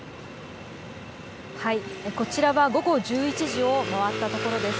こちらは午後１１時を回ったところです。